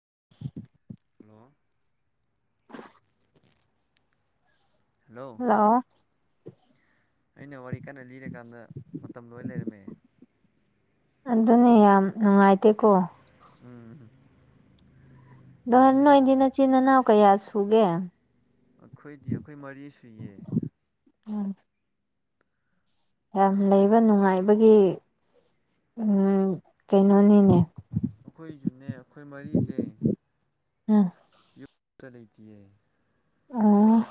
[unintelligible] Hello hello ꯑꯩꯅ ꯋꯥꯔꯤ ꯀꯟꯅ ꯂꯤꯔꯀꯥꯟꯗ ꯃꯇꯝ ꯂꯣꯏ ꯂꯩꯔꯝꯃꯦ ꯑꯗꯨꯅꯦ ꯌꯥꯝ ꯅꯨꯡꯉꯥꯏꯇꯦꯀꯣ ꯎꯝ ꯗꯍꯥꯟ ꯃꯤꯅ ꯅꯣꯏꯗꯤ ꯅꯆꯤꯟ ꯏꯅꯥꯎ ꯀꯌꯥ ꯁꯨꯒꯦ ꯑꯩꯈꯣꯏꯗꯤ ꯑꯩꯈꯣꯏ ꯃꯔꯤ ꯁꯨꯏ ꯑ ꯌꯥꯝ ꯑꯩꯈꯣꯏ ꯂꯩꯕ ꯅꯨꯡꯉꯥꯏꯕꯒꯤ ꯎ ꯀꯩꯅꯣꯅꯤꯅꯦ ꯑꯩꯈꯣꯏꯁꯨꯅꯦ ꯑꯩꯈꯣꯏ ꯃꯔꯤꯁꯦ ꯑꯥ ꯇ ꯆ ꯂꯩꯇꯦ ꯑꯥ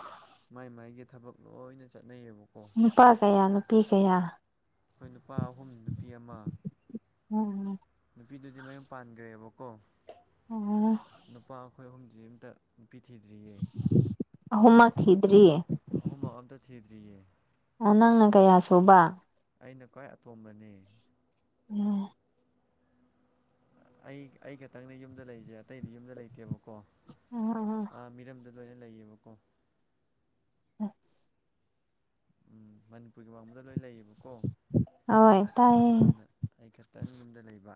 ꯥꯏ ꯃꯥꯏꯒꯤ ꯊꯕꯛ ꯂꯣꯏꯅ ꯆꯠ ꯅꯨꯄꯥ ꯀꯌꯥ ꯅꯨꯄꯤ ꯀꯌꯥ ꯑꯩꯈꯣꯏ ꯅꯨꯄꯥ ꯑꯍꯨꯝ ꯅꯨꯄꯤ ꯑꯃ ꯎꯝꯝ ꯅꯨꯄꯤꯗꯨꯗꯤ ꯃꯌꯨꯝ ꯄꯥꯟꯈ꯭ꯔꯦꯕꯀꯣ ꯑꯣ ꯅꯨꯄꯥ ꯑꯩꯈꯣꯏ ꯑꯍꯨꯝꯗꯤ ꯑꯝꯇ ꯄꯤꯊꯤꯗ꯭ꯔꯤꯌꯦ ꯑꯍꯨꯝꯃꯛ ꯊꯤꯗ꯭ꯔꯤ ꯑꯍꯨꯝꯃꯛ ꯑꯝꯇ ꯊꯤꯗ꯭ꯔꯤꯌꯦ ꯑꯣ ꯅꯪꯅ ꯀꯌꯥ ꯁꯨꯕ ꯑꯩꯅ ꯈ꯭ꯋꯥꯏ ꯑꯇꯣꯝꯕꯅꯤ ꯎꯝ ꯑꯩ ꯑꯩ ꯈꯇꯪꯗꯤ ꯌꯨꯝꯗ ꯂꯩꯖꯦ ꯑꯇꯩꯗꯤ ꯌꯨꯝꯗ ꯂꯩꯇꯦꯕꯀꯣ ꯎꯝ ꯑꯥ ꯃꯤꯔꯝꯗ ꯂꯣꯏꯅ ꯂꯩꯌꯦꯕꯀꯣ ꯎꯝ ꯎꯝ ꯃꯅꯤꯄꯨꯔꯒꯤ ꯃꯡꯃꯗ ꯂꯣꯏ ꯂꯩꯌꯦꯕꯀꯣ ꯍꯣꯏ ꯇꯥꯏꯌꯦ ꯑꯗꯨꯗꯨꯅ ꯑꯩ ꯈ ꯈꯤꯇꯪ ꯌꯨꯝꯗ ꯂꯩꯕ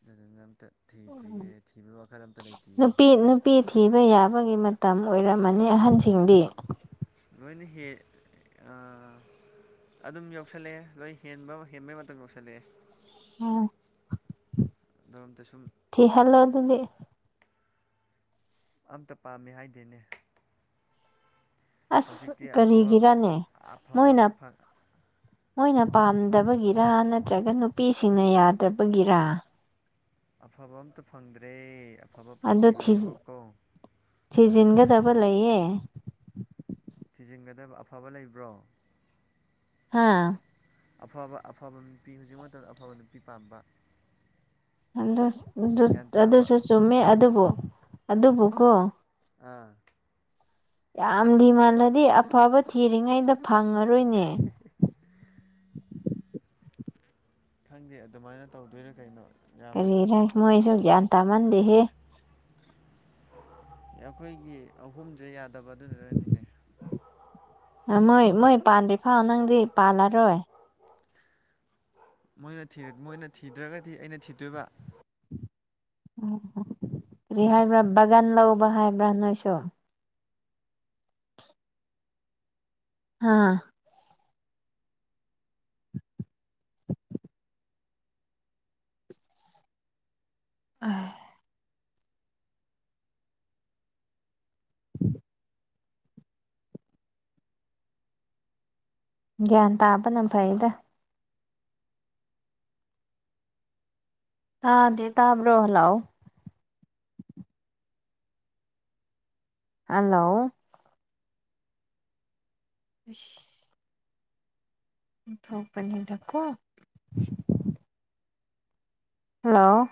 ꯑꯗꯨꯗꯅ ꯑꯝꯇ ꯎ ꯊꯤꯗ꯭ꯔꯤꯌꯦ ꯊꯤꯕꯒꯤ ꯋꯥꯈꯜ ꯑꯝꯇ ꯂꯩꯇꯤꯌꯦ ꯅꯨꯄꯤ ꯅꯨꯄꯤ ꯊꯤꯕ ꯌꯥꯕꯒꯤ ꯃꯇꯝ ꯑꯣꯏꯔꯝꯃꯅꯤ ꯑꯍꯟꯁꯤꯡꯗꯤ ꯅꯣꯏꯅ ꯍ ꯑꯗꯨꯝ ꯌꯧꯁꯜꯂꯛꯑꯦ ꯂꯣꯏ ꯍꯦꯟꯕ ꯍꯦꯟꯕꯩ ꯃꯇꯝ ꯌꯧꯁꯤꯜꯂꯛꯑꯦ ꯎꯝ ꯂꯣꯝꯗ ꯁꯨꯝ ꯎꯪꯦ ꯑꯝꯇ ꯄꯥꯝꯃꯦ ꯍꯥꯏꯗꯦꯅꯦ ꯑꯁ ꯍꯧꯖꯤꯛꯇꯤ ꯑꯐꯕ ꯀꯔꯤꯒꯤꯔꯅꯦ ꯑꯐꯕ ꯃꯣꯏꯅ ꯑꯝꯇ ꯃꯣꯏꯅ ꯄꯥꯝꯗꯕꯒꯤꯔ ꯅꯠꯇ꯭ꯔꯒ ꯅꯨꯄꯤꯁꯤꯡꯅ ꯌꯥꯗ꯭ꯔꯕꯒꯤꯔ ꯑꯐꯕ ꯑꯝꯇ ꯐꯪꯗ꯭ꯔꯦ ꯑꯐꯕ ꯑꯗꯨ ꯊꯤꯕꯅꯦꯕ ꯀꯣ ꯊꯤꯖꯤꯟꯒꯗꯕ ꯂꯩꯌꯦ ꯊꯤꯖꯤꯟꯒꯗꯕ ꯑꯐꯕ ꯂꯩꯕ꯭ꯔꯣ ꯍꯥꯥ ꯑꯐꯕ ꯑꯐꯕ ꯅꯨꯄꯤ ꯍꯧꯖꯤꯛ ꯃꯇꯝꯗ ꯑꯐꯕ ꯅꯨꯄꯤ ꯄꯥꯝꯕ꯫ ꯑꯗꯨ ꯒ꯭ꯌꯥꯟ ꯇꯥꯕ ꯑꯗꯨꯁꯨ ꯆꯨꯝꯃꯦ ꯑꯗꯨꯕꯨ ꯑꯗꯨꯕꯨꯀꯣ ꯑꯥ꯫ ꯌꯥꯝꯗꯤ ꯃꯥꯜꯂꯗꯤ ꯑꯐꯕ ꯊꯤꯔꯤꯉꯩꯗ ꯐꯪꯉꯔꯣꯏꯅꯦ꯫ ꯈꯪꯗꯦ ꯑꯗꯨꯃꯥꯏꯅ ꯇꯧꯗꯣꯏꯔ ꯀꯩꯅꯣ꯫ ꯌꯥꯝ ꯀꯔꯤꯔ ꯃꯣꯏꯁꯨ ꯒ꯭ꯌꯥꯟ ꯇꯥꯃꯟꯗꯦꯍꯦ ꯑꯩꯈꯣꯏꯒꯤ ꯑꯍꯨꯝꯁꯦ ꯌꯥꯗꯕ ꯑꯗꯨꯅꯔꯅꯤꯅꯦ ꯃꯣꯏ ꯃꯣꯏ ꯄꯥꯗ꯭ꯔꯤ ꯐꯥꯎ ꯅꯪꯗꯤ ꯄꯥꯜꯂꯔꯣꯏ ꯅ ꯃꯣꯏꯅ ꯊꯤꯗ꯭ꯔꯒꯗꯤ ꯑꯩꯅ ꯊꯤꯗꯣꯏꯕ ꯎ ꯀꯔꯤ ꯍꯥꯏꯕ꯭ꯔꯥ ꯕꯒꯟ ꯂꯧꯕ ꯍꯥꯏꯕ꯭ꯔꯥ ꯅꯣꯏꯁꯨ ꯑꯥ ꯑ ꯒ꯭ꯌꯥꯟ ꯇꯥꯕꯅ ꯐꯩꯗ ꯇꯥꯗꯦ ꯇꯥꯕ꯭ꯔꯣ ꯍꯂꯑꯣ ꯍꯜꯂꯣ ꯑ ꯊꯧ ꯄꯅꯤꯔ ꯊꯀꯣ ꯍꯜꯂꯣ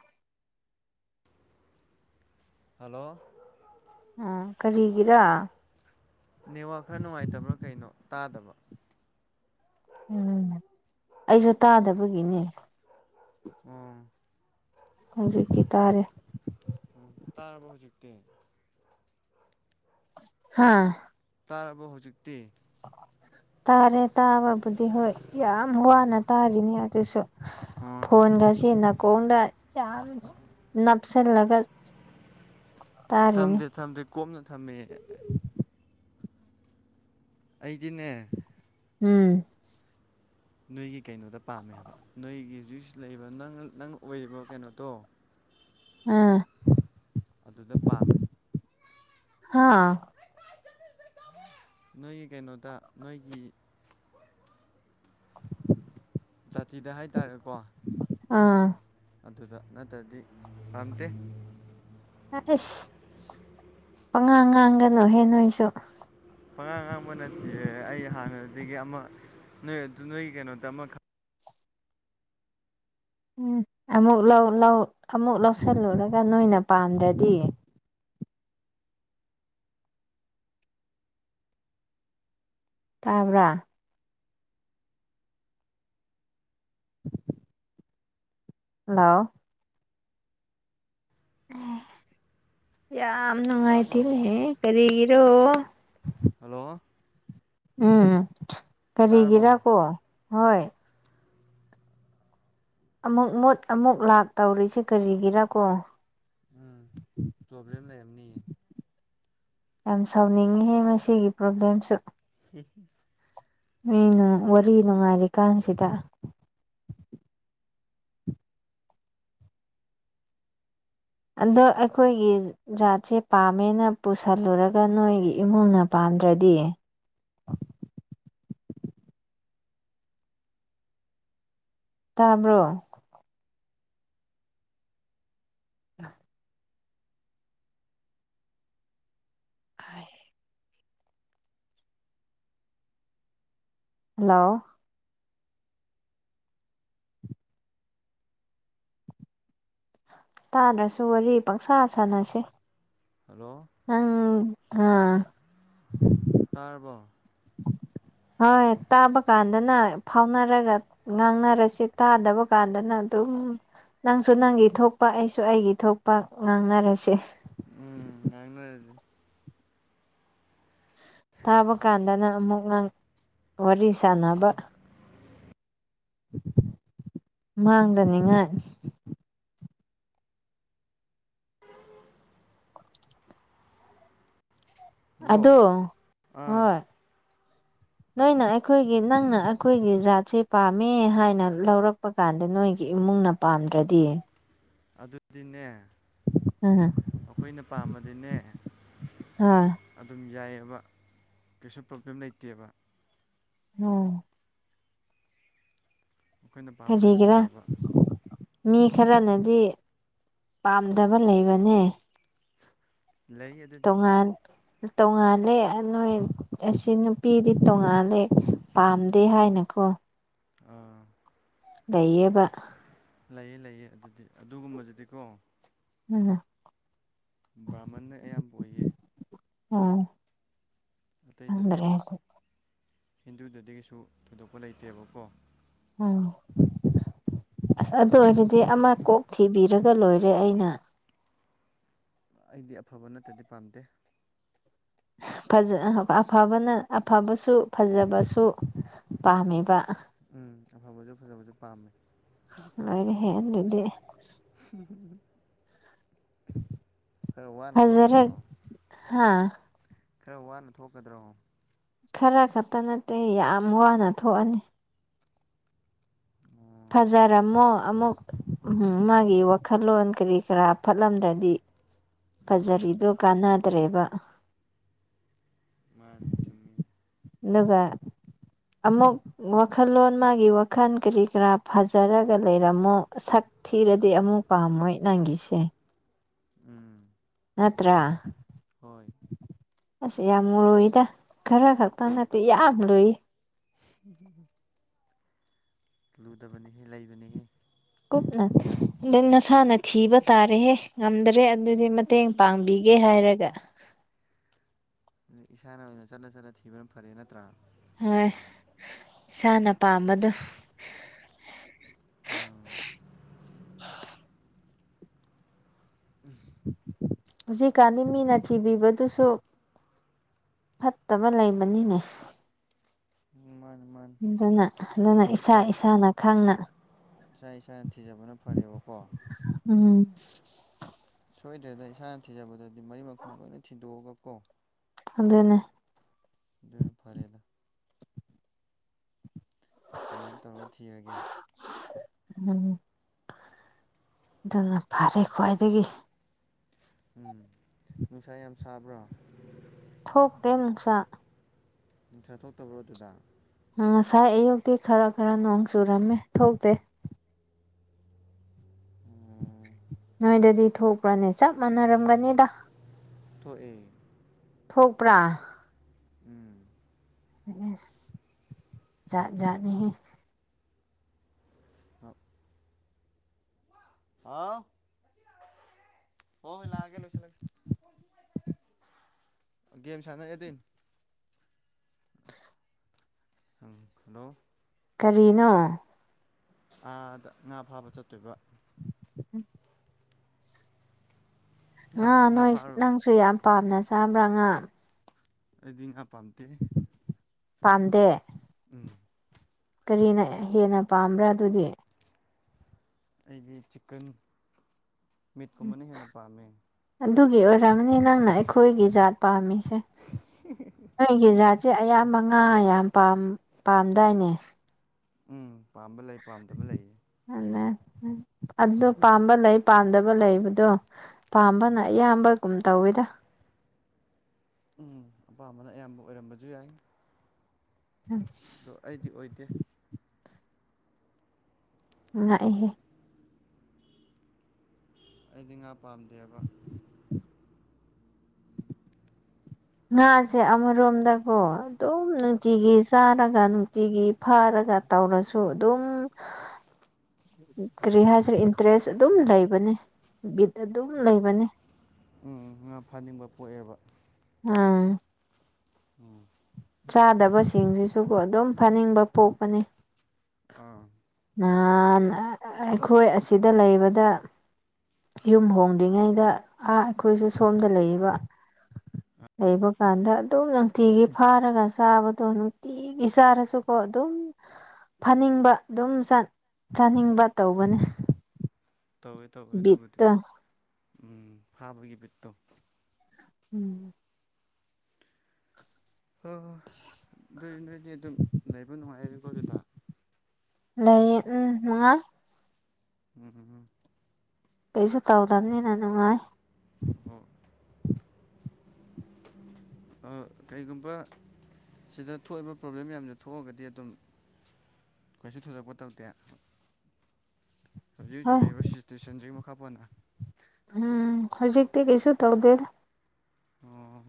ꯍꯜꯂꯣ ꯎꯝ ꯀꯔꯤꯒꯤꯔꯥ ꯅꯦꯋꯥꯛ ꯈꯔ ꯅꯨꯡꯉꯥꯏꯇꯕ꯭ꯔꯥ ꯀꯩꯅꯣ ꯇꯥꯗꯕ ꯎꯝ ꯑꯩꯁꯨ ꯇꯥꯗꯕꯒꯤꯅꯦ ꯎꯝ ꯍꯧꯖꯤꯛꯇꯀꯤ ꯇꯥꯔꯦ ꯇꯥꯔꯕ ꯍꯧꯖꯤꯛꯇꯤ ꯍꯥꯥ ꯇꯥꯔꯕ ꯍꯧꯖꯤꯛꯇꯤ ꯇꯥꯔꯦ ꯇꯥꯕꯕꯨꯗꯤ ꯍꯣꯏ ꯌꯥꯝ ꯋꯥꯅ ꯇꯥꯔꯤꯅꯤ ꯑꯗꯨꯁꯨ ꯑꯣ ꯐꯣꯟꯒꯁꯤ ꯅꯥꯀꯣꯡꯗ ꯌꯥꯝ ꯅꯞꯁꯤꯜꯂꯒ ꯇꯥꯔꯤꯅꯤ ꯊꯝꯗꯦ ꯊꯝꯗꯦ ꯀꯣꯝꯅ ꯊꯝꯃꯦ ꯑꯩꯗꯤꯅꯦ ꯎꯝ ꯅꯣꯏꯒꯤ ꯀꯩꯅꯣꯗ ꯄꯥꯝꯃꯦꯕ ꯅꯣꯏꯒꯤ ꯍꯧꯖꯤꯛ ꯂꯩꯕ ꯅꯪ ꯅꯪ ꯑꯣꯏꯔꯤꯕ ꯀꯩꯅꯣꯗꯣ ꯑꯥ ꯑꯗꯨꯗ ꯄꯥꯝꯃꯦ ꯍꯥꯥ ꯅꯣꯏꯒꯤ ꯀꯩꯅꯣꯗ ꯅꯣꯏꯒꯤ [unintelligible] ꯖꯥꯇꯤꯗ ꯍꯥꯏꯇꯥꯔꯦꯀꯣ ꯑꯥ ꯑꯗꯨꯗ ꯅꯠꯇ꯭ꯔꯗꯤ ꯄꯥꯝꯗꯦ ꯑꯁ ꯄꯉꯥꯡ ꯉꯥꯡꯒꯅꯨ ꯍꯦ ꯅꯣꯏꯁꯨ ꯄꯉꯥꯡ ꯉꯥꯡꯕ ꯅꯠꯇꯦ ꯑꯩ ꯍꯥꯟꯅꯗꯒꯤ ꯑꯃ ꯅ ꯇꯨ ꯅ ꯀꯩꯅꯣ ꯇꯃ ꯎꯝꯨ ꯑꯃꯨꯛ ꯂꯧꯁꯤꯜꯂꯨꯔꯒ ꯅꯣꯏꯅ ꯄꯥꯝꯗ꯭ꯔꯗꯤ ꯇꯥꯕ꯭ꯔꯥ [unintelligible] ꯍꯜꯂꯣ ꯌꯥꯝꯝ ꯇꯥꯕ꯭ꯔꯣ ꯅꯨꯡꯉꯥꯏꯇꯅꯦ ꯀꯔꯤꯒꯤꯔꯣ ꯍꯜꯂꯣ ꯎꯝ ꯇꯥꯔꯕꯣ ꯀꯔꯤꯒꯤꯔꯥ ꯀꯣ ꯍꯣꯏ ꯑꯃꯨꯛ ꯃꯨꯠ ꯑꯃꯨꯛ ꯂꯥꯛ ꯇꯧꯔꯤꯁꯤ ꯀꯔꯤꯒꯤꯔꯥ ꯀꯣ꯫ ꯎꯝ ꯄ꯭ꯔꯣꯕ꯭ꯂꯦꯝ ꯂꯩꯔꯝꯅꯤ꯫ ꯌꯥꯝ ꯁꯥꯎꯅꯤꯡꯉꯤ ꯃꯁꯤꯒꯤ ꯄ꯭ꯔꯣꯕ꯭ꯂꯦꯝꯁꯨ꯫ ꯑꯦ꯫ ꯃꯤꯅ ꯋꯥꯔꯤ ꯅꯨꯡꯉꯥꯏꯔꯤꯀꯥꯟꯁꯤꯗ꯫ ꯑꯗꯣ ꯑꯩꯈꯣꯏꯒꯤ ꯖꯥꯠꯁꯦ ꯄꯥꯝꯃꯦꯅ ꯄꯨꯁꯜꯂꯨꯔꯒ ꯅꯣꯏꯒꯤ ꯏꯃꯨꯡꯅ ꯄꯥꯝ ꯗ꯭ꯔꯗꯤ [unintelligible] ꯇꯥꯕ꯭ꯔꯣ꯫ [unintelligible] ꯍꯥꯏ꯫ ꯍꯜꯂꯣ꯫ ꯇꯥꯗ꯭ꯔꯁꯨ ꯋꯥꯔꯤ ꯄꯪꯁꯥ ꯁꯥꯟꯅꯁꯦ꯫ ꯍꯜꯂꯣ꯫ ꯅꯪ ꯑꯥ ꯔꯕꫭ ꯍꯣꯏ ꯇꯥꯕ ꯀꯥꯟꯗꯅ ꯐꯥꯎꯅꯔꯒ ꯉꯥꯡꯅꯔꯁꯤ ꯇꯥꯗꯕ ꯀꯥꯟꯗꯅ ꯑꯗꯨꯝ ꯎꯝ ꯅꯪꯁꯨ ꯅꯪꯒꯤ ꯊꯣꯛꯄ ꯑꯩꯁꯨ ꯑꯩꯒꯤ ꯊꯣꯛꯄ ꯉꯥꯡꯅꯔꯁꯦ꯫ ꯎꯝ ꯉꯥꯡꯅꯔꯁꯤ꯫ ꯇꯥꯕ ꯀꯥꯟꯗꯅ ꯑꯃꯨꯛ ꯉꯥꯡ ꯋꯥꯔꯤ ꯁꯥꯟꯅꯕ꯫ ꯃꯥꯡꯗꯅꯤꯡꯉꯥꯏ꯫ ꯍꯜꯂꯣ ꯑꯗꯣ ꯑꯥ ꯍꯣꯏ [unintelligible] ꯅꯣꯏꯅ ꯑꯩꯈꯣꯏꯒꯤ ꯅꯪꯅ ꯑꯩꯈꯣꯏꯒꯤ ꯖꯥꯠꯁꯦ ꯄꯥꯝꯃꯦ ꯍꯥꯏꯅ ꯂꯧꯔꯛꯄ ꯀꯥꯟꯗ ꯅꯣꯏꯒꯤ ꯏꯃꯨꯡ ꯃꯨꯡꯅ ꯄꯥꯝꯗ꯭ꯔꯗꯤ ꯑꯗꯨꯗꯤꯅꯦ ꯎꯝ ꯑꯩꯈꯣꯏꯅ ꯄꯥꯝꯃꯗꯤꯅꯦ ꯍꯣꯏ ꯑꯗꯨꯝ ꯌꯥꯏꯑꯦꯕ ꯀꯩꯁꯨ ꯄ꯭ꯔꯣꯕ꯭ꯂꯦꯝ ꯂꯩꯇꯦꯕ꯫ ꯎꯝ꯫ ꯑꯩꯈꯣꯏꯅ ꯄꯥꯝꯕꯗꯩ ꯑꯗꯨꯝ ꯀꯔꯤꯒꯤꯔꯥ ꯌꯥꯕ꯫ ꯃꯤ ꯈꯔꯅꯗꯤ ꯄꯥꯝꯗꯕ ꯂꯩꯕꯅꯦ꯫ ꯂꯩ ꯑꯗꯨꯗꯤ꯫ ꯇꯣꯉꯥꯟ ꯇꯣꯡꯉꯥꯜꯂꯦ ꯅꯣꯏ ꯑꯁꯤ ꯅꯨꯄꯤꯗꯤ ꯇꯣꯉꯥꯜꯂꯦ ꯄꯥꯝꯗꯦ ꯍꯥꯏꯅꯀꯣ [unintelligible] ꯑꯥ꯫ ꯂꯩꯌꯦꯕ꯫ ꯂꯩꯌꯦ-ꯂꯩꯌꯦ ꯑꯗꯨꯗꯤ ꯑꯗꯨꯒꯨꯝꯕꯗꯨꯗꯤꯀꯣ ꯎꯝ꯫ ꯕ꯭ꯔꯥꯃꯟꯅ ꯑꯌꯥꯝꯕ ꯑꯣꯏꯌꯦ꯫ ꯎꯝ ꯈꯪꯗ꯭ꯔꯦ ꯑꯗꯨ ꯍꯤꯟꯗꯨꯗꯒꯤꯁꯨ ꯊꯣꯏꯗꯣꯛꯄ ꯂꯩꯇꯦꯕꯀꯣ꯫ ꯎꯝ ꯑꯁ ꯑꯗꯨ ꯑꯣꯏꯔꯗꯤ ꯑꯃ ꯀꯣꯛ ꯊꯤꯕꯤ ꯔꯒ ꯂꯣꯏꯔꯦ ꯑꯩꯅ ꯑꯩꯗꯤ ꯑꯐꯕ ꯅꯠꯇꯗꯤ ꯄꯥꯝꯗꯦ꯫ [unintelligible] ꯐꯖ ꯑꯐꯕꯅ ꯑꯐꯕꯁꯨ ꯐꯖꯕꯁꯨ ꯄꯥꯝꯃꯤꯕ꯫ ꯎꯝ ꯑꯐꯕꯁꯨ ꯐꯖꯕꯁꯨ ꯄꯥꯝꯃꯦ꯫ ꯂꫭꯏꯔꯦꯍꯦ ꯑꯗꯨꯗꯤ꯫ [unintelligible] [inaudible] ꯈꯔ ꯋꯥꯅ ꯊꯣꯛꯀꯗ꯭ꯔꯣ꯫ ꯍꯥꯥ꯫ ꯈꯔ ꯋꯥꯅ ꯊꯣꯛꯀꯗ꯭ꯔꯣ ꯈꯔ ꯈꯛꯇ ꯅꯠꯇꯦ ꯌꯥꯝ ꯋꯥꯅ ꯊꯣꯛꯑꯅꯤ ꯑꯣ ꯐꯖꯔꯝꯃꯣ ꯑꯃꯨꯛ ꯃꯥꯒꯤ ꯋꯥꯈꯜꯂꯣꯟ ꯀꯔꯤ ꯀꯔꯥ ꯐꯠꯂꯝꯗ꯭ꯔꯗꯤ ꯎꯝ ꯐꯖꯔꯤꯗꯨꯣ ꯀꯥꯟꯅꯗ꯭ꯔꯦꯕ ꯃꯥꯥꯟꯇꯃꯤ ꯑꯗꯨꯒ ꯑꯃꯨꯛ ꯋꯥꯈꯜꯂꯣꯟ ꯃꯥꯒꯤ ꯋꯥꯈꯜ ꯀꯔꯤ ꯀꯔꯥ ꯐꯖꯔꯒ ꯂꯩꯔꯝꯃꯣꯛ ꯊꯤꯔꯗꯤ ꯑꯃꯨꯛ ꯄꯥꯝꯃꯣꯏ ꯅꯪꯒꯤꯁꯦ ꯎꯝ ꯅꯠꯇ꯭ꯔ ꯍꯣꯏ ꯑꯁ ꯌꯥꯝ ꯃꯨꯔꯨꯏꯗ ꯈꯔ ꯈꯛꯇꯪ ꯅꯠꯇꯦ ꯌꯥꯝ ꯂꯨꯏ ꯑꯗꯨ ꯂꯨꯗꯕꯅꯤꯍ ꯂꯩꯕꯅꯤꯍ ꯀꯨꯞꯅ ꯑꯗꯨ ꯅꯁꯥꯅ ꯊꯤꯕ ꯇꯥꯔꯦꯍꯦ ꯉꯝꯗ꯭ꯔꯦ ꯑꯗꯨꯗꯤ ꯃꯇꯦꯡ ꯄꯥꯡꯕꯤꯒꯦ ꯍꯥꯏꯔꯒ ꯏꯁꯥꯅ ꯑꯣꯏꯅ ꯆꯠꯂ ꯆꯠꯂ ꯊꯤꯕꯅ ꯐꯔꯦ ꯅꯠꯇ꯭ꯔꯥ ꯍꯣꯏ ꯏꯁꯥꯅ ꯄꯥꯝꯕꯗꯣ ꯎꯝ ꯍꯧꯖꯤꯛꯀꯥꯟꯅꯤ ꯃꯤꯅ ꯊꯤꯕꯤꯕꯗꯨꯁꯨ ꯐꯠꯇꯕ ꯂꯩꯕꯅꯤꯅꯦ ꯃꯥꯅꯤ ꯃꯥꯅꯤ ꯑꯗꯨꯅ ꯑꯗꯨꯅ ꯏꯁꯥ ꯏꯁꯥꯅ ꯈꯪꯅ ꯏꯁꯥ ꯏꯁꯥꯅ ꯊꯤꯖꯕꯅ ꯐꯔꯦꯕꯀꯣ ꯎꯝ ꯁꯣꯏꯗ꯭ꯔꯗ ꯏꯁꯥꯅ ꯊꯤꯖꯕꯗꯗꯤ ꯃꯔꯤ ꯃꯈꯣꯡ ꯂꯣꯏꯅ ꯊꯤꯗꯣꯛꯑꯒ ꯀꯣ ꯑꯗꯨꯗꯟꯅꯦ ꯐꯔꯦꯗ ꯑꯗꯨꯃꯥꯏꯅ ꯇꯧꯔꯒ ꯊꯤꯔꯒꯦ ꯎꯝ ꯑꯗꯨꯅ ꯐꯔꯦ ꯈ꯭ꯋꯥꯏꯗꯒꯤ ꯎꯝ ꯅꯨꯡꯁꯥ ꯌꯥꯝ ꯁꯥꯕ꯭ꯔꯥ ꯊꯣꯛꯣꯛꯇꯦ ꯅꯨꯡꯁꯥ ꯎ ꯆꯠꯊꯣꯛꯇꯕ꯭ꯔꯣ ꯑꯗꯨꯗꯥ ꯉꯁꯥꯏ ꯑꯌꯨꯛꯇꯤ ꯈꯔ ꯈꯔ ꯅꯣꯡ ꯆꯨꯔꯝꯃꯦ ꯊꯣꯛꯇꯦ ꯎꯝ ꯅꯣꯏꯗꯗꯤ ꯊꯣꯀ ꯔꯅꯤ ꯆ ꯃ ꯅꯔꯝꯒꯅꯤꯗ ꯊꯣꯛꯑꯏ ꯊꯣꯛꯄ꯭ꯔꯥ ꯎꯝ ꯁ ꯆ ꯌꯥꯥꯅꯤꯍꯦ ꯑꯞ ꯑ ꯍ ꯍꯣꯏ ꯂꯥꯛꯒꯦ ꯂꯣꯏꯁꯤ ꯂ ꯦꯝꯦꯝꯁꯤ ꯑꯅꯅ ꯌꯗꯤꯤꯟ ꯎꯝ ꯍꯜꯂꯣ ꯀꯔꯤꯅꯣ ꯑꯥꯗ ꯉꯥ ꯐꯥꯕ ꯆꯠꯇꯣꯏꯕ ꯎꯝ ꯉꯥ ꯅꯣꯏ ꯅꯪꯁꯨ ꯌꯥꯝ ꯄꯥꯝꯅ ꯆꯥꯕ꯭ꯔꯥ ꯉꯥ ꯑꯖꯤꯡ ꯍꯥꯄꯥꯝꯇ ꯄꯥꯝꯗꯦ ꯎ ꯀꯔꯤꯅ ꯍꯦꯟꯅ ꯄꯥꯝꯕ꯭ꯔꯥ ꯑꯗꯨꯗꯤ ꯑꯩꯗꯤ ꯆꯤꯛꯀꯟ ꯃꯤꯠꯀꯨꯝꯕꯅ ꯍꯦꯟꯅ ꯄꯥꯝꯃꯦ ꯑꯗꯨꯒꯤ ꯑꯣꯏꯔꯝꯃꯅꯤ ꯅꯪꯅ ꯑꯩꯈꯣꯏꯒꯤ ꯖꯥꯠ ꯄꯥꯝꯃꯤ ꯁꯦ ꯅꯣꯏꯒꯤ ꯖꯥꯠꯁꯦ ꯑꯌꯥꯝꯕ ꯉꯥ ꯌꯥꯝꯌꯥꯝ ꯄꯥꯝ ꯄꯥꯝꯗꯥꯏꯅꯦ ꯎꯝ ꯄꯥꯝꯕ ꯂꯩ ꯄꯥꯝꯗꯕ ꯂꯩꯌꯦ ꯑꯗꯣ ꯄꯥꯝꯕ ꯂꯩ ꯄꯥꯝꯗꯕ ꯂꯩꯕꯗꯣ ꯄꯥꯝꯕꯅ ꯎꯝ ꯑꯌꯥꯝꯕ ꯀꯨꯝ ꯇꯧꯋꯦꯗ ꯎꯝ ꯑꯄꯥꯝꯕꯅ ꯑꯌꯥꯝꯕ ꯑꯣꯏꯔꯝꯕꯁꯨ ꯌꯥꯏ ꯑꯗꯣ ꯑꯩꯗꯤ ꯑꯣꯏꯗꯦ ꯉꯛꯑꯦꯍꯦ ꯑꯩꯗꯤ ꯉꯥ ꯄꯥꯝꯗꯦꯕ ꯉꯥꯁꯦ ꯑꯃꯔꯣꯝꯗꯀꯣ ꯑꯗꯨꯝ ꯅꯨꯡꯇꯤꯒꯤ ꯆꯥꯔꯒ ꯅꯨꯡꯇꯤꯒꯤ ꯐꯥꯔꯒ ꯇꯧꯔꯁꯨ ꯑꯗꯨꯝ [unintelligible] ꯀꯔꯤ ꯍꯥꯏꯁꯤꯔꯦ ꯏꯟꯇꯔꯦꯁ ꯑꯗꯨꯝ ꯂꯩꯕꯅꯤ ꯕꯤꯠ ꯑꯗꯨꯝ ꯂꯩꯕꯅꯤ ꯎꯝ ꯉꯥ ꯐꯥꯅꯤꯡꯕ ꯄꯣꯛꯑꯦꯕ ꯑꯥ ꯎꯝ ꯆꯥꯗꯕꯁꯤꯡꯁꯤꯁꯨ ꯑꯗꯨꯝ ꯐꯥꯅꯤꯡꯕ ꯄꯣꯛꯄꯅꯤ ꯑꯥ ꯅꯍꯥꯟ ꯑꯩꯈꯣꯏ ꯑꯁꯤꯗ ꯂꯩꯕꯗ ꯌꯨꯝ ꯍꯣꯡꯗ꯭ꯔꯤꯉꯩꯗ ꯑꯥ ꯑꯩꯈꯣꯏꯁꯨ ꯁꯣꯝꯗ ꯂꯩꯔꯤꯕ ꯂꯩꯕ ꯀꯥꯟꯗ ꯑꯗꯨꯝ ꯅꯨꯡꯊꯤꯒꯤ ꯐꯥꯔꯒ ꯆꯥꯕꯗꯣ ꯅꯨꯡꯇꯤꯒꯤ ꯆꯥꯔꯁꯨꯀꯣ ꯑꯗꯨꯝ ꯐꯥꯅꯤꯡꯕ ꯑꯗꯨꯝ ꯆꯥꯅꯤꯡꯕ ꯇꯧꯕꯅꯦ ꯇꯧꯋꯦ ꯇꯧꯋꯦ ꯑꯗꯨꯕꯨꯗꯤ ꯕꯤꯠꯇꯣ ꯎꯝ ꯐꯥꯕꯒꯤ ꯕꯤꯠꯇꯣ ꯎꯝ ꯍꯣꯏ ꯍꯣꯏ ꯑꯗꯨꯏ ꯅꯣꯏꯗꯤ ꯑꯗꯨꯝ ꯂꯩꯕ ꯅꯨꯡꯉꯥꯏꯔꯦꯀꯣ ꯑꯗꯨꯗ ꯂꯩꯌꯦ ꯎꯝ ꯃꯉꯥ ꯎꯝ ꯀꯩꯁꯨ ꯇꯧꯗꯕꯅꯤꯅ ꯅꯨꯡꯉꯥꯏ ꯀꯩꯒꯨꯝꯕ ꯁꯤꯗ ꯊꯣꯛꯏꯕ ꯄ꯭ꯔꯣꯕ꯭ꯂꯦꯝ ꯃꯌꯥꯝꯁꯦ ꯊꯣꯛꯑꯒꯗꯤ ꯑꯗꯨꯝ ꯀꯩꯁꯨ ꯊꯣꯏꯗꯣꯛꯄ ꯇꯧꯗꯦ ꯍꯧꯖꯤꯛ ꯍꯧꯖꯤꯛ ꯍꯣꯏ ꯂꯩꯔꯤꯕ ꯁꯤꯆꯇꯨꯋꯦꯁꯟꯁꯤꯒꯤ ꯃꯈꯥ ꯄꯣꯟꯅ ꯎꯝ ꯍꯧꯖꯤꯛꯇꯤ ꯀꯩꯁꯨ ꯇꯧꯗꯦ ꯑꯣ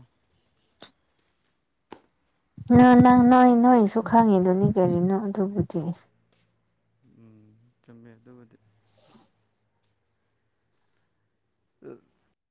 ꯎ ꯅꯪ ꯅꯣꯏ ꯅꯣꯏꯁꯨ ꯈꯪꯉꯤꯗꯨꯅꯤ ꯀꯔꯤꯅꯣ ꯑꯗꯨꯕꯨꯗꯤ ꯎꯝ ꯆꯨꯝꯃꯦ ꯑꯗꯨꯕꯨꯗꯤ ꯎꯝ